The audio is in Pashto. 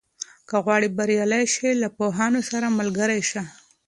که غواړې بریالی شې، له پوهانو سره ملګری شه.